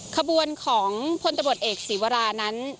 ขบวนของพลตำรวจเอกศีวรานั้น